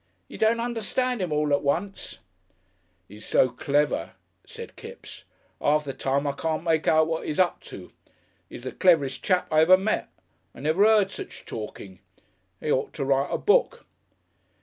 You don't understand 'im all at once." "'E's so clever," said Kipps. "Arf the time I can't make out what 'e's up to. 'E's the cleverest chap I ever met. I never 'eard such talking. 'E ought to write a book....